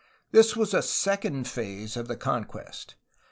This was a second phase of the conquest.